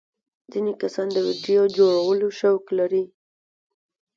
ځینې کسان د ویډیو جوړولو شوق لري.